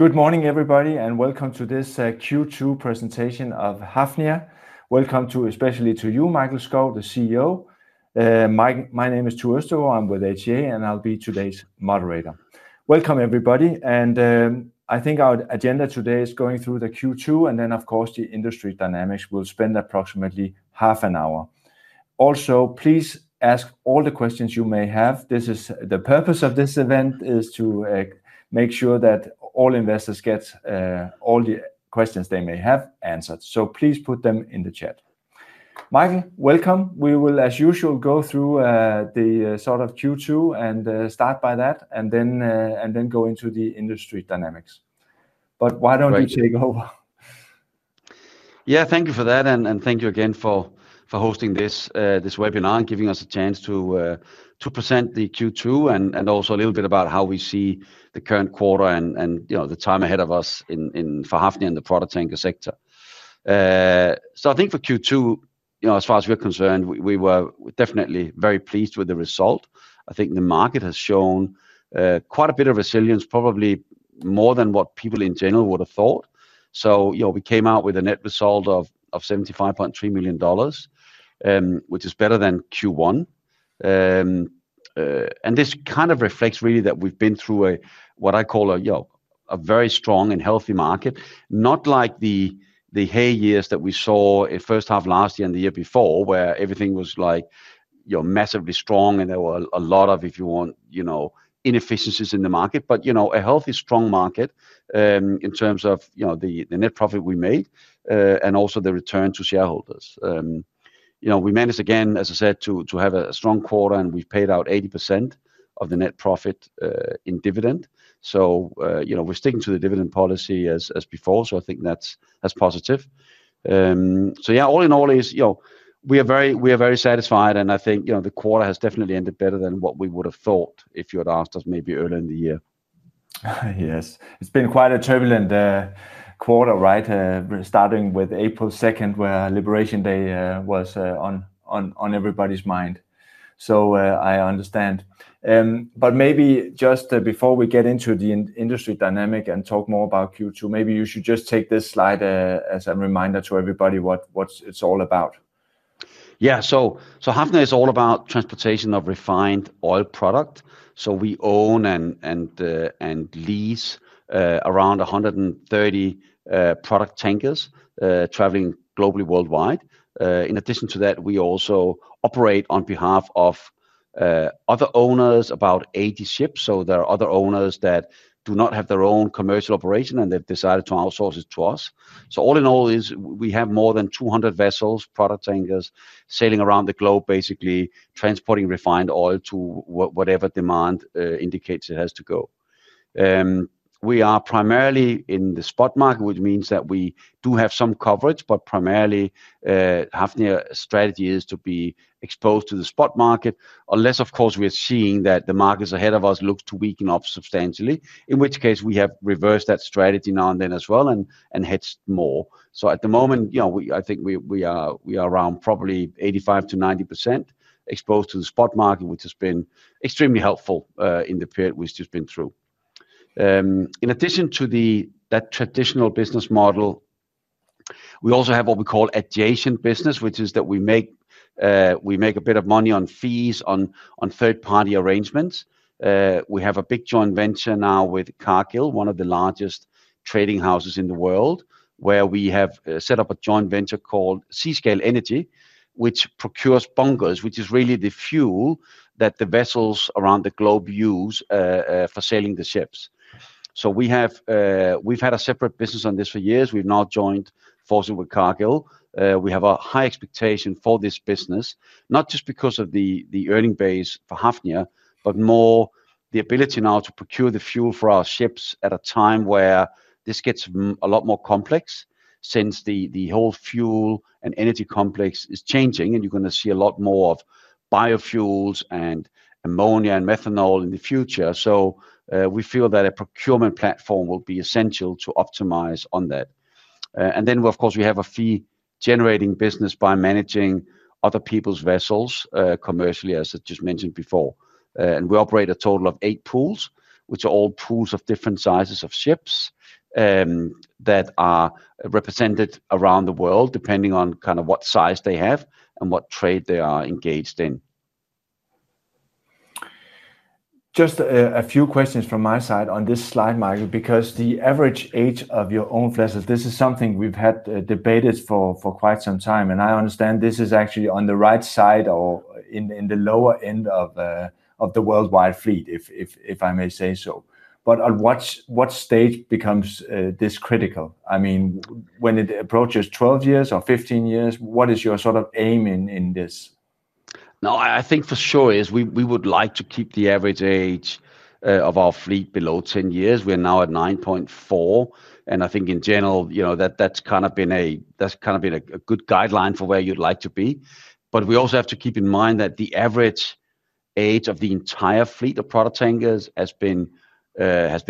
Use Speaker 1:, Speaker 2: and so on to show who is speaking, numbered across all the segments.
Speaker 1: Good morning everybody, and welcome to this Q2 presentation of Hafnia. Welcome to, especially to you, Mikael Skov, the CEO. My name is Tuur Östervo and I'm with Hafnia, and I'll be today's moderator. Welcome everybody, and I think our agenda today is going through the Q2 and then, of course, the industry dynamics. We'll spend approximately half an hour. Also, please ask all the questions you may have. The purpose of this event is to make sure that all investors get all the questions they may have answered. Please put them in the chat. Mikael, welcome. We will as usual go through the sort of Q2 and start by that and then go into the industry dynamics. Why don't you take over?
Speaker 2: Yeah, thank you for that, and thank you again for hosting this webinar and giving us a chance to present the Q2 and also a little bit about how we see the current quarter and, you know, the time ahead of us for Hafnia in the product tanker sector. I think for Q2, as far as we're concerned, we were definitely very pleased with the result. I think the market has shown quite a bit of resilience, probably more than what people in general would have thought. We came out with a net result of $75.3 million, which is better than Q1. This kind of reflects really that we've been through what I call a very strong and healthy market. Not like the hey years that we saw in the first half last year and the year before, where everything was massively strong and there were a lot of, if you want, inefficiencies in the market. A healthy, strong market, in terms of the net profit we made, and also the return to shareholders. We managed again, as I said, to have a strong quarter and we've paid out 80% of the net profit in dividend. We're sticking to the dividend policy as before. I think that's positive. All in all, we are very satisfied and I think the quarter has definitely ended better than what we would have thought if you had asked us maybe earlier in the year.
Speaker 1: Yes, it's been quite a turbulent quarter, right? Starting with April 2nd, where Liberation Day was on everybody's mind. I understand. Maybe just before we get into the industry dynamic and talk more about Q2, maybe you should just take this slide as a reminder to everybody what it's all about.
Speaker 2: Hafnia is all about transportation of refined oil product. We own and lease around 130 product tankers traveling globally worldwide. In addition to that, we also operate on behalf of other owners about 80 ships. There are other owners that do not have their own commercial operation and they've decided to outsource it to us. All in all, we have more than 200 vessels product tankers sailing around the globe, basically transporting refined oil to whatever demand indicates it has to go. We are primarily in the spot market which means that we do have some coverage, but primarily, Hafnia's strategy is to be exposed to the spot market unless, of course, we are seeing that the markets ahead of us look to weaken up substantially in which case we have reversed that strategy now and then as well and hedged more. At the moment, I think we are around probably 85 to 90% exposed to the spot market which has been extremely helpful in the period we've just been through. In addition to that traditional business model, we also have what we call adjacent business, which is that we make a bit of money on fees on third-party arrangements. We have a big joint venture now with Cargill, one of the largest trading houses in the world, where we have set up a joint venture called Sea scale Energy, which procures bunkers, which is really the fuel that the vessels around the globe use for sailing the ships. We have had a separate business on this for years. We've now joined forces with Cargill. We have a high expectation for this business, not just because of the earning base for Hafnia, but more the ability now to procure the fuel for our ships at a time where this gets a lot more complex since the whole fuel and energy complex is changing and you're going to see a lot more of biofuels and ammonia and methanol in the future. We feel that a procurement platform will be essential to optimize on that. Of course, we have a fee-generating business by managing other people's vessels commercially, as I just mentioned before. We operate a total of eight pools, which are all pools of different sizes of ships that are represented around the world depending on what size they have and what trade they are engaged in.
Speaker 1: Just a few questions from my side on this slide, Mikael, because the average age of your own vessels, this is something we've had debated for quite some time. I understand this is actually on the right side or in the lower end of the worldwide fleet, if I may say so. At what stage becomes this critical? I mean, when it approaches 12 years or 15 years, what is your sort of aim in this?
Speaker 2: No, I think for sure is we would like to keep the average age of our fleet below 10 years. We're now at 9.4. I think in general, you know, that's kind of been a good guideline for where you'd like to be, but we also have to keep in mind that the average age of the entire fleet of product tankers has been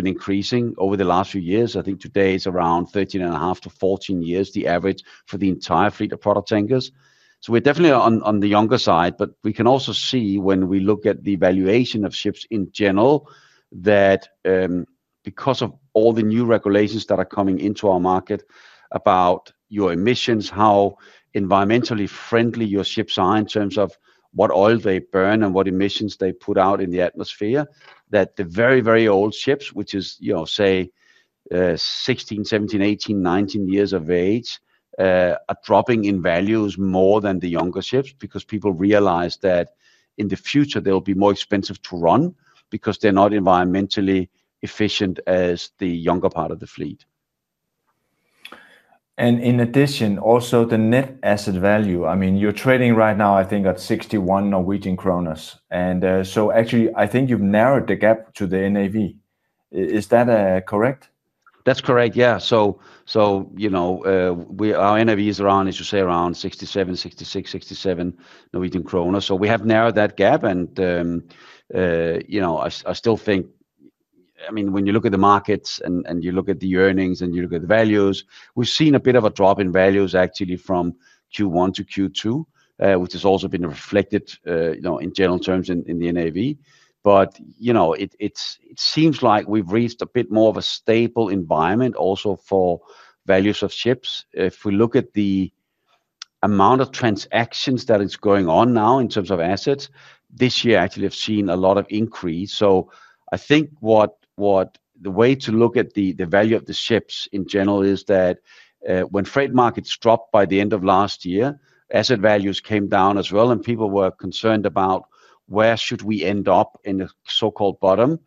Speaker 2: increasing over the last few years. I think today it's around 13.5 to 14 years, the average for the entire fleet of product tankers. We're definitely on the younger side, but we can also see when we look at the valuation of ships in general that, because of all the new regulations that are coming into our market about your emissions, how environmentally friendly your ships are in terms of what oil they burn and what emissions they put out in the atmosphere, that the very, very old ships, which is, you know, say, 16, 17, 18, 19 years of age, are dropping in values more than the younger ships because people realize that in the future they'll be more expensive to run because they're not environmentally efficient as the younger part of the fleet.
Speaker 1: In addition, also the net asset value, I mean, you're trading right now, I think, at 61 Norwegian kroner. Actually, I think you've narrowed the gap to the NAV. Is that correct?
Speaker 2: That's correct, yeah. Our NAV is around, as you say, around 66 Norwegian kroner, 67 Norwegian kroner. We have narrowed that gap and, you know, I still think, I mean, when you look at the markets and you look at the earnings and you look at the values, we've seen a bit of a drop in values actually from Q1 to Q2, which has also been reflected, you know, in general terms in the NAV. It seems like we've reached a bit more of a stable environment also for values of ships. If we look at the amount of transactions that are going on now in terms of assets, this year actually has seen a lot of increase. I think the way to look at the value of the ships in general is that when freight markets dropped by the end of last year, asset values came down as well and people were concerned about where should we end up in the so-called bottom.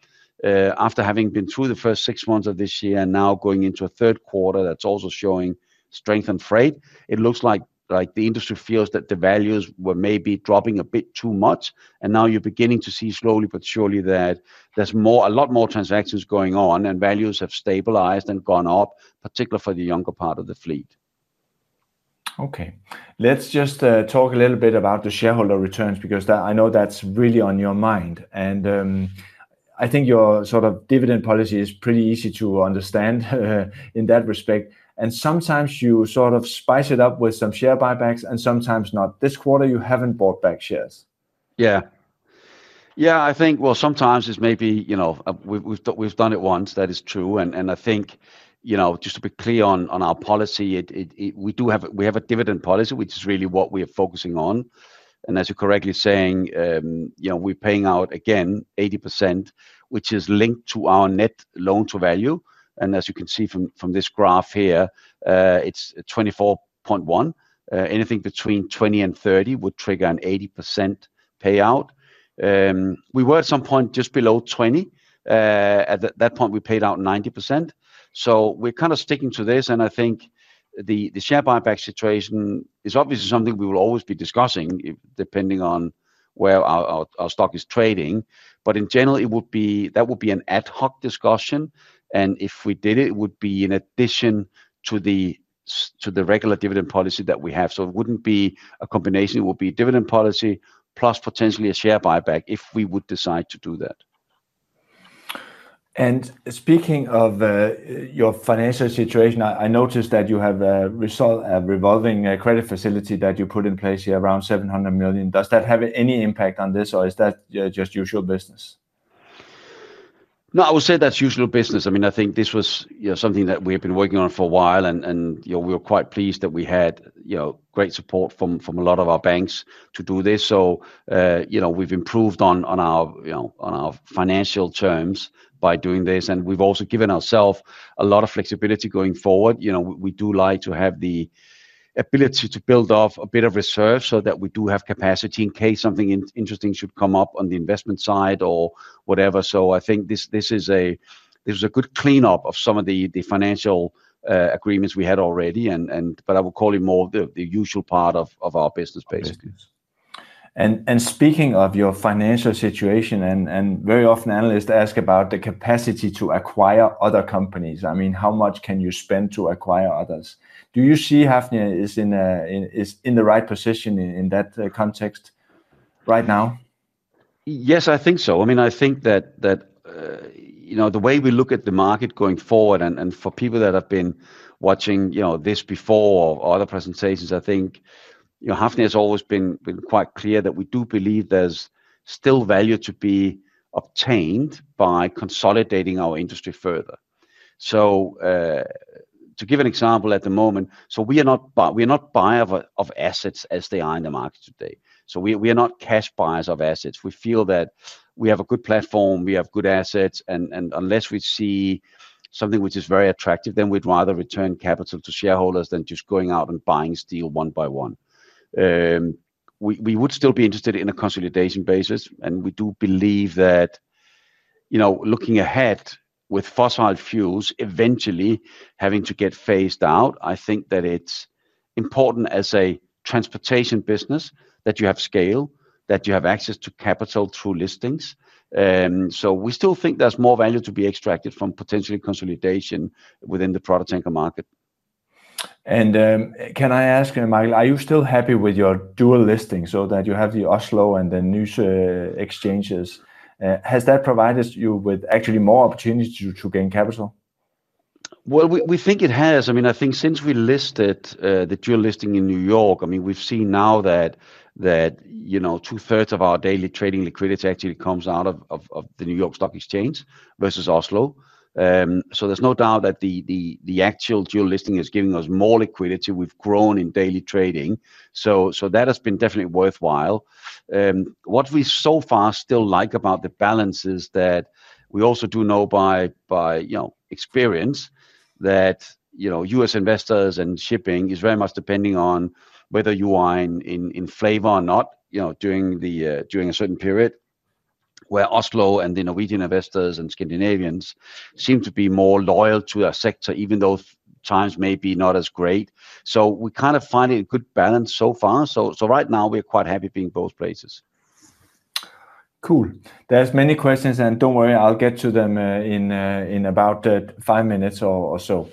Speaker 2: After having been through the first six months of this year and now going into a third quarter that's also showing strength in freight, it looks like the industry feels that the values were maybe dropping a bit too much. Now you're beginning to see slowly but surely that there's a lot more transactions going on and values have stabilized and gone up, particularly for the younger part of the fleet.
Speaker 1: Okay, let's just talk a little bit about the shareholder returns because I know that's really on your mind. I think your sort of dividend policy is pretty easy to understand in that respect. Sometimes you sort of spice it up with some share buybacks and sometimes not. This quarter you haven't bought back shares.
Speaker 2: Yeah, I think, sometimes it's maybe, you know, we've done it once, that is true. I think, you know, just to be clear on our policy, we do have a dividend policy, which is really what we are focusing on. As you're correctly saying, we're paying out again 80%, which is linked to our net loan-to-value. As you can see from this graph here, it's 24.1. Anything between 20 and 30 would trigger an 80% payout. We were at some point just below 20. At that point, we paid out 90%. We're kind of sticking to this, and I think the share buyback situation is obviously something we will always be discussing depending on where our stock is trading. In general, it would be an ad hoc discussion. If we did it, it would be in addition to the regular dividend policy that we have. It wouldn't be a combination. It would be a dividend policy plus potentially a share buyback if we would decide to do that.
Speaker 1: Speaking of your financial situation, I noticed that you have a revolving credit facility that you put in place here around $700 million. Does that have any impact on this, or is that just usual business?
Speaker 2: No, I would say that's usual business. I mean, I think this was something that we have been working on for a while, and we were quite pleased that we had great support from a lot of our banks to do this. You know, we've improved on our financial terms by doing this, and we've also given ourselves a lot of flexibility going forward. We do like to have the ability to build off a bit of reserve so that we do have capacity in case something interesting should come up on the investment side or whatever. I think this is a good cleanup of some of the financial agreements we had already. I would call it more the usual part of our business, basically.
Speaker 1: Speaking of your financial situation, very often analysts ask about the capacity to acquire other companies. I mean, how much can you spend to acquire others? Do you see Hafnia is in the right position in that context right now?
Speaker 2: Yes, I think so. I mean, I think that, you know, the way we look at the market going forward, and for people that have been watching this before or other presentations, I think Hafnia has always been quite clear that we do believe there's still value to be obtained by consolidating our industry further. To give an example, at the moment, we are not buyers of assets as they are in the market today. We are not cash buyers of assets. We feel that we have a good platform, we have good assets, and unless we see something which is very attractive, then we'd rather return capital to shareholders than just going out and buying steel one by one. We would still be interested in a consolidation basis, and we do believe that, you know, looking ahead with fossil fuels eventually having to get phased out, I think that it's important as a transportation business that you have scale that you have access to capital through listings. We still think there's more value to be extracted from potentially consolidation within the product tanker market.
Speaker 1: Can I ask, Mikael, are you still happy with your dual listing so that you have the Oslo and the New York Stock Exchanges? Has that provided you with actually more opportunity to gain capital?
Speaker 2: I think it has. I mean, I think since we listed the dual listing in New York, we've seen now that two-thirds of our daily trading liquidity actually comes out of the New York Stock Exchange versus Oslo. There's no doubt that the actual dual listing is giving us more liquidity, we've grown in daily trading so that has been definitely worthwhile. What we so far still like about the balance is that we also do know by experience that U.S. investors and shipping is very much depending on whether you are in flavor or not during a certain period, where Oslo and the Norwegian investors and Scandinavians seem to be more loyal to our sector, even though times may be not as great. We're kind of finding a good balance so far. Right now we're quite happy being both places.
Speaker 1: Cool. There are many questions and don't worry, I'll get to them in about five minutes or so.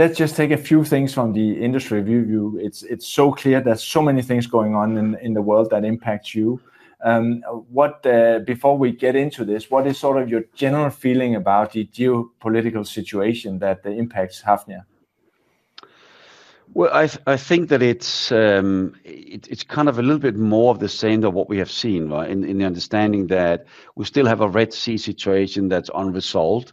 Speaker 1: Let's just take a few things from the industry view. It's so clear there are so many things going on in the world that impact you. Before we get into this, what is sort of your general feeling about the geopolitical situation that impacts Hafnia?
Speaker 2: I think that it's kind of a little bit more of the same as what we have seen, right, in the understanding that we still have a Red Sea situation that's unresolved.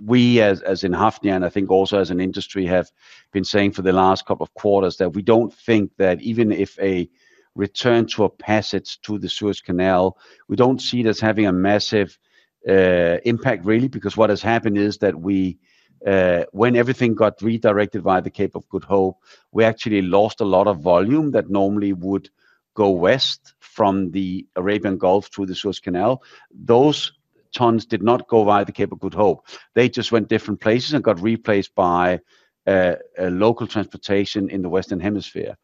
Speaker 2: We, as in Hafnia, and I think also as an industry, have been saying for the last couple of quarters that we don't think that even if a return to a passage to the Suez Canal, we don't see it as having a massive impact really, because what has happened is that we, when everything got redirected by the Cape of Good Hope, we actually lost a lot of volume that normally would go west from the Arabian Gulf through the Suez Canal. Those tons did not go via the Cape of Good Hope, they just went different places and got replaced by local transportation in the Western Hemisphere.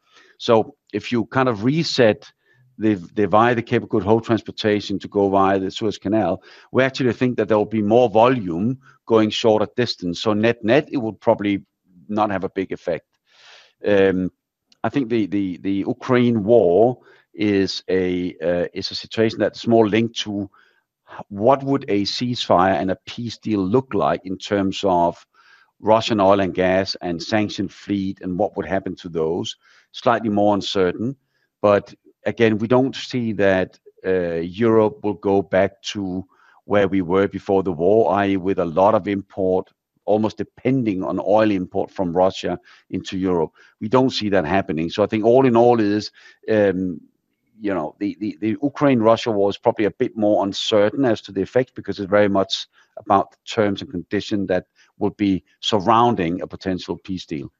Speaker 2: If you kind of reset the via the Cape of Good Hope transportation to go via the Suez Canal, we actually think that there will be more volume going shorter distance. Net-net, it will probably not have a big effect. I think the Ukraine war is a situation that's more linked to what would a ceasefire and a peace deal look like in terms of Russian oil and gas and sanctioned fleet and what would happen to those, slightly more uncertain. Again, we don't see that Europe will go back to where we were before the war, i.e., with a lot of import, almost depending on oil import from Russia into Europe. We don't see that happening. I think all in all is, you know, the Ukraine-Russia war is probably a bit more uncertain as to the effects because it's very much about the terms and conditions that will be surrounding a potential peace deal.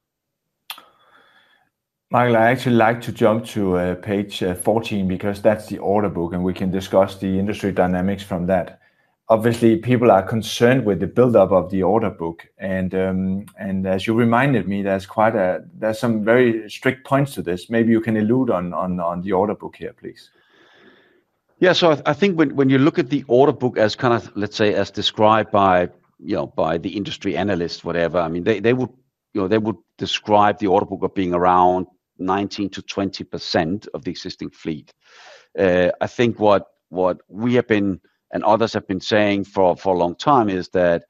Speaker 1: Mikael, I'd actually like to jump to page 14 because that's the order book, and we can discuss the industry dynamics from that. Obviously, people are concerned with the buildup of the order book. As you reminded me, there are some very strict points to this. Maybe you can elude on the order book here, please.
Speaker 2: Yeah, so I think when you look at the order book as kind of, let's say, as described by, you know, by the industry analysts, whatever, I mean, they would, you know, they would describe the order book as being around 19% to 20% of the existing fleet. I think what we have been and others have been saying for a long time is that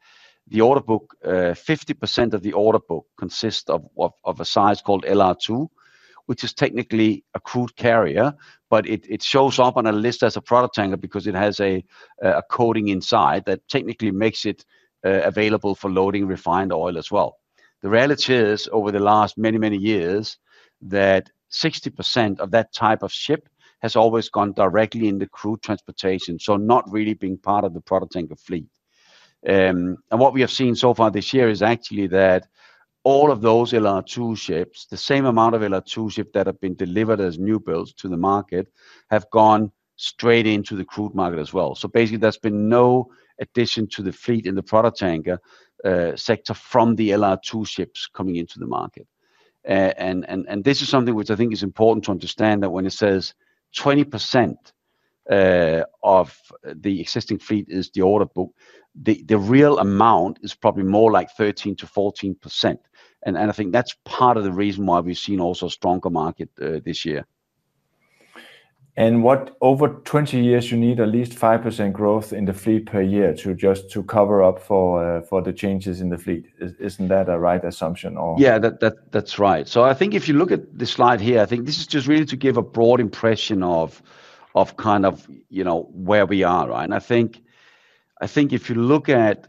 Speaker 2: the order book, 50% of the order book consists of a size called LR2, which is technically a crude carrier, but it shows up on a list as a product tanker because it has a coating inside that technically makes it available for loading refined oil as well. The reality is over the last many, many years that 60% of that type of ship has always gone directly into crude transportation, so not really being part of the product tanker fleet. What we have seen so far this year is actually that all of those LR2 ships, the same amount of LR2 ships that have been delivered as new builds to the market, have gone straight into the crude market as well. Basically, there's been no addition to the fleet in the product tanker sector from the LR2 ships coming into the market. This is something which I think is important to understand that when it says 20% of the existing fleet is the order book, the real amount is probably more like 13% to 14%. I think that's part of the reason why we've seen also a stronger market this year.
Speaker 1: Over 20 years, you need at least 5% growth in the fleet per year to just cover up for the changes in the fleet. Isn't that a right assumption?
Speaker 2: Yeah, that's right. I think if you look at the slide here, this is just really to give a broad impression of kind of, you know, where we are, right? I think if you look at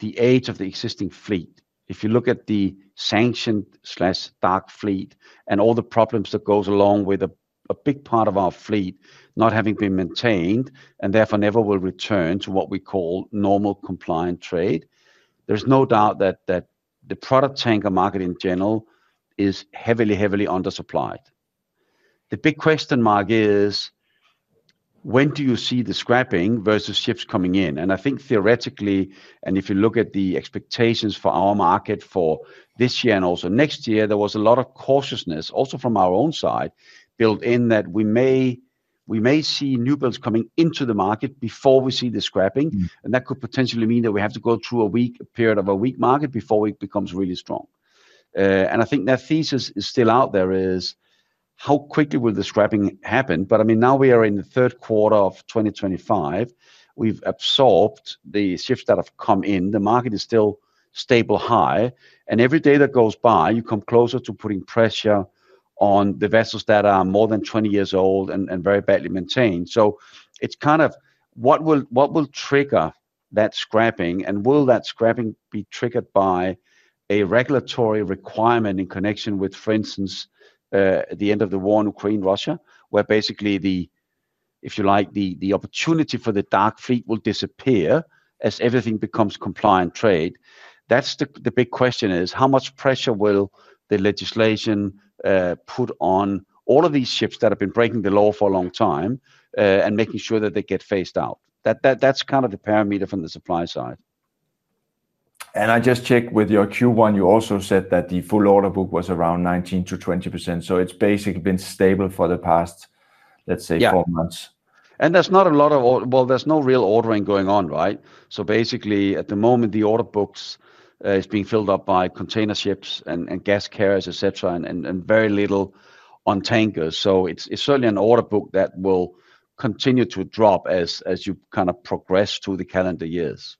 Speaker 2: the age of the existing fleet, if you look at the sanctioned/dark fleet and all the problems that go along with a big part of our fleet not having been maintained and therefore never will return to what we call normal compliant trade, there is no doubt that the product tanker market in general is heavily, heavily undersupplied. The big question mark is when do you see the scrapping versus ships coming in? I think theoretically, and if you look at the expectations for our market for this year and also next year, there was a lot of cautiousness also from our own side built in that we may see new builds coming into the market before we see the scrapping. That could potentially mean that we have to go through a weak period of a weak market before it becomes really strong. I think that thesis is still out there is how quickly will the scrapping happen? I mean, now we are in the third quarter of 2025. We've absorbed the ships that have come in. The market is still stable high. Every day that goes by, you come closer to putting pressure on the vessels that are more than 20 years old and very badly maintained. It's kind of what will trigger that scrapping? Will that scrapping be triggered by a regulatory requirement in connection with, for instance, the end of the war in Ukraine-Russia, where basically the, if you like, the opportunity for the dark fleet will disappear as everything becomes compliant trade? That's the big question is how much pressure will the legislation put on all of these ships that have been breaking the law for a long time and making sure that they get phased out? That's kind of the parameter from the supply side.
Speaker 1: I just checked with your Q1, you also said that the full order book was around 19% to 20%. It's basically been stable for the past, let's say, four months.
Speaker 2: There's not a lot of, well, there's no real ordering going on, right? Basically, at the moment, the order books are being filled up by container ships and gas carriers, etc., and very little on tankers. It's certainly an order book that will continue to drop as you kind of progress through the calendar years.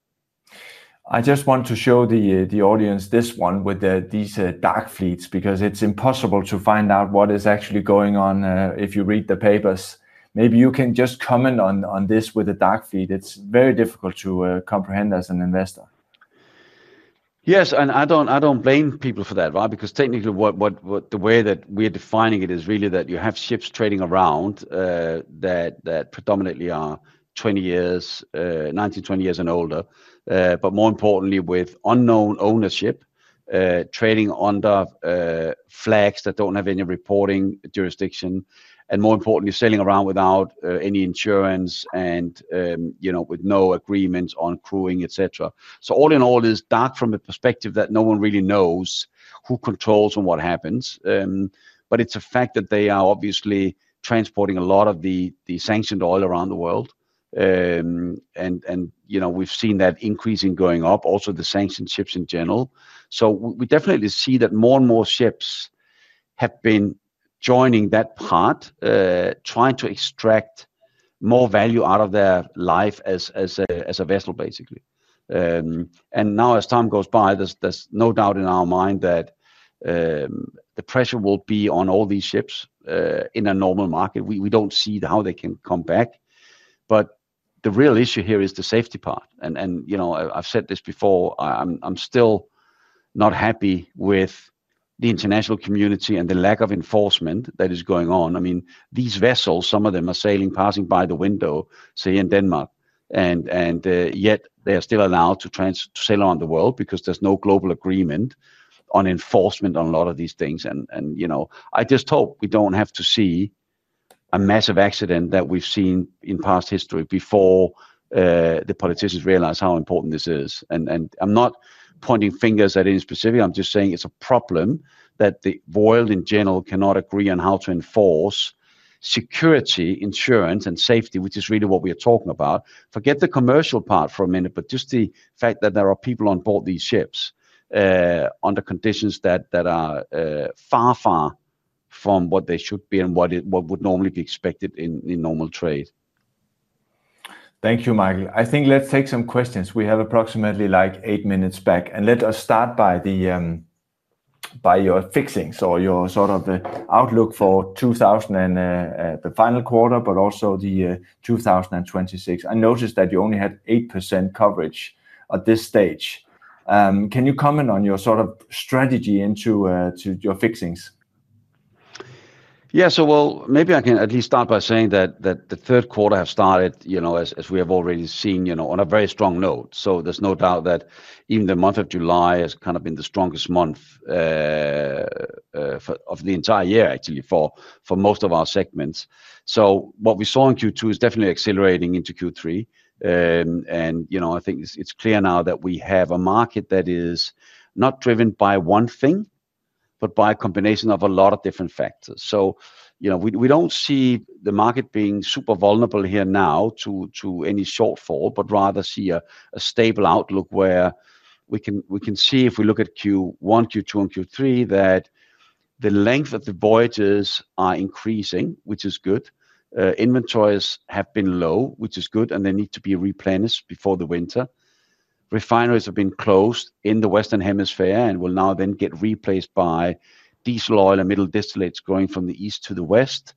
Speaker 1: I just want to show the audience this one with these dark fleets because it's impossible to find out what is actually going on if you read the papers. Maybe you can just comment on this with a dark fleet. It's very difficult to comprehend as an investor.
Speaker 2: Yes, and I don't blame people for that, right? Because technically, the way that we're defining it is really that you have ships trading around that predominantly are 20 years, 19, 20 years and older, but more importantly, with unknown ownership, trading under flags that don't have any reporting jurisdiction, and more importantly, sailing around without any insurance and, you know, with no agreements on crewing, etc. All in all, it's dark from a perspective that no one really knows who controls and what happens. It's a fact that they are obviously transporting a lot of the sanctioned oil around the world. We've seen that increasing, going up, also the sanctioned ships in general. We definitely see that more and more ships have been joining that part, trying to extract more value out of their life as a vessel, basically. Now, as time goes by, there's no doubt in our mind that the pressure will be on all these ships in a normal market. We don't see how they can come back. The real issue here is the safety part. I've said this before, I'm still not happy with the international community and the lack of enforcement that is going on. I mean, these vessels, some of them are sailing, passing by the window, say in Denmark. Yet they are still allowed to sail around the world because there's no global agreement on enforcement on a lot of these things. I just hope we don't have to see a massive accident that we've seen in past history before the politicians realize how important this is. I'm not pointing fingers at any specific. I'm just saying it's a problem that the world in general cannot agree on how to enforce security, insurance, and safety, which is really what we are talking about. Forget the commercial part for a minute, but just the fact that there are people on board these ships under conditions that are far, far from what they should be and what would normally be expected in normal trade.
Speaker 1: Thank you, Mikael. I think let's take some questions. We have approximately eight minutes back. Let us start by your fixings or your sort of the outlook for 2024, the final quarter, but also 2026. I noticed that you only had 8% coverage at this stage. Can you comment on your sort of strategy into your fixings?
Speaker 2: Maybe I can at least start by saying that the third quarter has started, you know, as we have already seen, you know, on a very strong note. There's no doubt that even the month of July has kind of been the strongest month of the entire year, actually, for most of our segments. What we saw in Q2 is definitely accelerating into Q3. I think it's clear now that we have a market that is not driven by one thing, but by a combination of a lot of different factors. We don't see the market being super vulnerable here now to any shortfall, but rather see a stable outlook where we can see if we look at Q1, Q2, and Q3 that the length of the voyages are increasing, which is good. Inventories have been low, which is good, and they need to be replenished before the winter. Refineries have been closed in the Western Hemisphere and will now then get replaced by diesel oil and middle distillates going from the east to the west.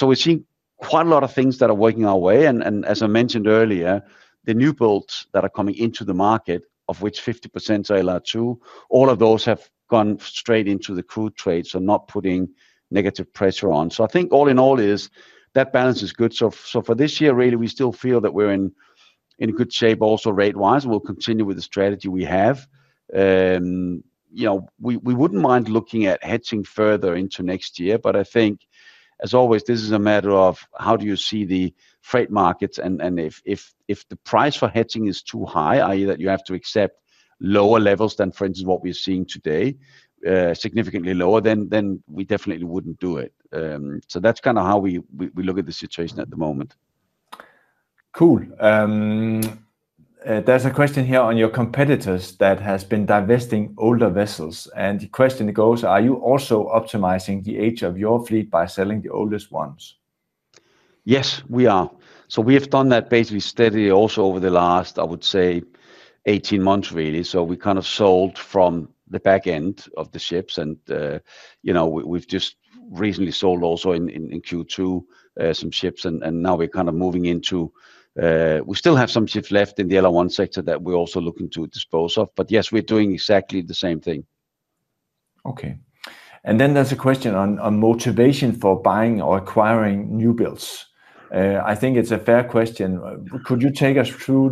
Speaker 2: We're seeing quite a lot of things that are working our way. As I mentioned earlier, the new builds that are coming into the market, of which 50% are allowed to, all of those have gone straight into the crude trade. Not putting negative pressure on. I think all in all is that balance is good. For this year, really, we still feel that we're in good shape also rate-wise. We'll continue with the strategy we have. We wouldn't mind looking at hedging further into next year, but I think, as always, this is a matter of how do you see the freight markets. If the price for hedging is too high, i.e., that you have to accept lower levels than, for instance, what we're seeing today, significantly lower, then we definitely wouldn't do it. That's kind of how we look at the situation at the moment.
Speaker 1: Cool. There's a question here on your competitors that have been divesting older vessels. The question goes, are you also optimizing the age of your fleet by selling the oldest ones?
Speaker 2: Yes, we are. We have done that basically steadily also over the last, I would say, 18 months, really. We kind of sold from the back end of the ships. We've just recently sold also in Q2 some ships and now we're kind of moving into, we still have some ships left in the LR1 sector that we're also looking to dispose of. But yes, we're doing exactly the same thing.
Speaker 1: Okay. There's a question on motivation for buying or acquiring new builds. I think it's a fair question. Could you take us through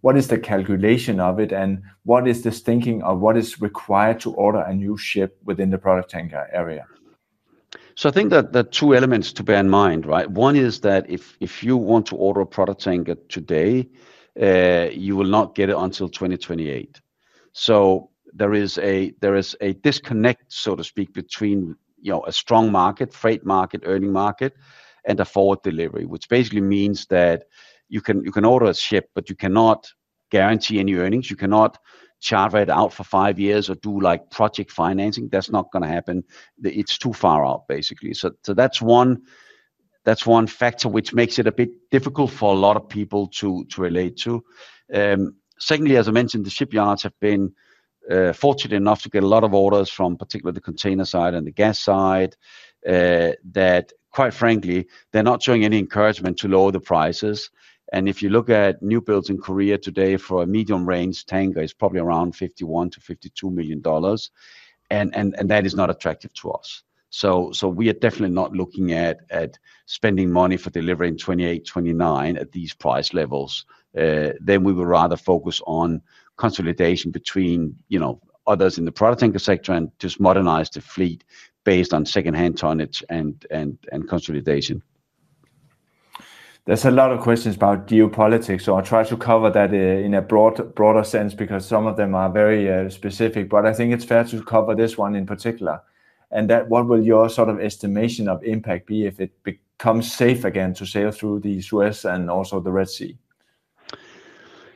Speaker 1: what is the calculation of it and what is this thinking of what is required to order a new ship within the product tanker area?
Speaker 2: I think that there are two elements to bear in mind, right? One is that if you want to order a product tanker today, you will not get it until 2028. There is a disconnect, so to speak, between a strong market, freight market, earning market, and a forward delivery, which basically means that you can order a ship, but you cannot guarantee any earnings. You cannot charter it out for five years or do like project financing. That's not going to happen. It's too far out, basically. That is one factor which makes it a bit difficult for a lot of people to relate to. Secondly, as I mentioned, the shipyards have been fortunate enough to get a lot of orders from particularly the container side and the gas side, that quite frankly, they're not showing any encouragement to lower the prices. If you look at new builds in Korea today for a medium-range tanker, it's probably around $51 million to $52 million. That is not attractive to us. We are definitely not looking at spending money for delivering 2028, 2029 at these price levels. We would rather focus on consolidation between, you know, others in the product tanker sector and just modernize the fleet based on second-hand tonnage and consolidation.
Speaker 1: There's a lot of questions about geopolitics. I'll try to cover that in a broader sense because some of them are very specific. I think it's fair to cover this one in particular. What will your sort of estimation of impact be if it becomes safe again to sail through the Suez and also the Red Sea?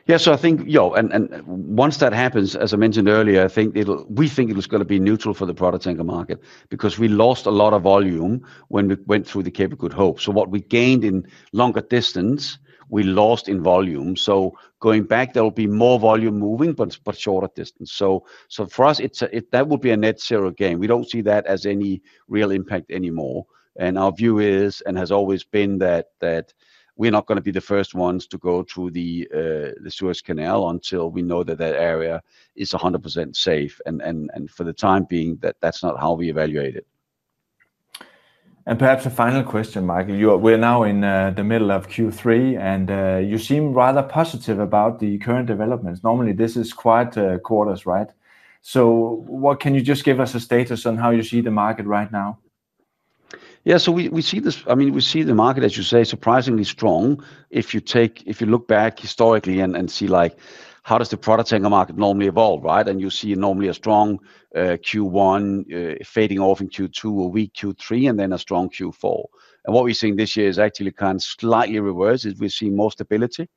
Speaker 2: Yeah, I think, you know, once that happens, as I mentioned earlier, we think it is going to be neutral for the product tanker market because we lost a lot of volume when we went through the Cape of Good Hope. What we gained in longer distance, we lost in volume. Going back, there will be more volume moving, but shorter distance. For us, that will be a net zero gain. We don't see that as any real impact anymore. Our view is, and has always been, that we're not going to be the first ones to go through the Suez Canal until we know that area is 100% safe. For the time being, that's not how we evaluate it.
Speaker 1: Perhaps a final question, Mikael. We're now in the middle of Q3, and you seem rather positive about the current developments. Normally, this is quiet quarters, right? What can you just give us a status on how you see the market right now?
Speaker 2: Yeah, we see this, I mean, we see the market, as you say, surprisingly strong. If you look back historically and see how the product tanker market normally evolves, right? You see normally a strong Q1 fading off in Q2, a weak Q3, and then a strong Q4. What we're seeing this year is actually kind of slightly reversed. We're seeing more stability,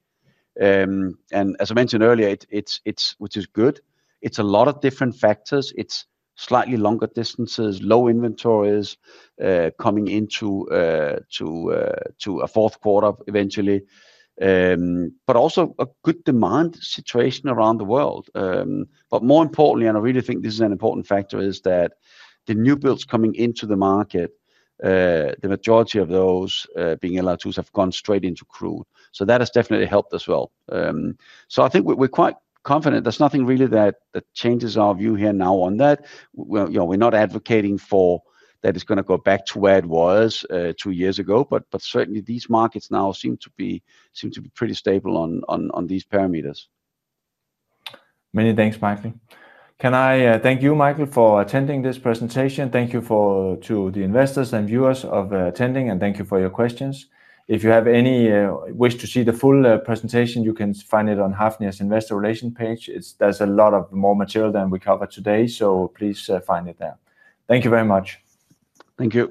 Speaker 2: and as I mentioned earlier, which is good, it's a lot of different factors, it's slightly longer distances, low inventories coming into a fourth quarter eventually, but also a good demand situation around the world. More importantly, and I really think this is an important factor, is that the new builds coming into the market, the majority of those being LR2 vessels, have gone straight into crude. That has definitely helped as well. I think we're quite confident. There's nothing really that changes our view here now on that. We're not advocating for it going to go back to where it was two years ago, but certainly these markets now seem to be pretty stable on these parameters.
Speaker 1: Many thanks, Mikael. Can I thank you, Mikael, for attending this presentation? Thank you to the investors and viewers for attending, and thank you for your questions. If you have any wish to see the full presentation, you can find it on Hafnia's investor relations page. There's a lot more material than we covered today, so please find it there. Thank you very much.
Speaker 2: Thank you.